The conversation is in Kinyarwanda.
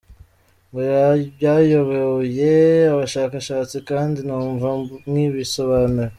ngo byayobeye abashakashatsi kd numva mwibisobanuye.